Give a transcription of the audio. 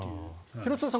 廣津留さん